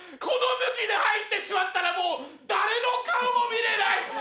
この向きで入ってしまったらもう誰の顔も見れない！